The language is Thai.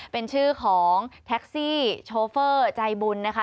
เป็นชื่อของแท็กซี่โชเฟอร์ใจบุญนะคะ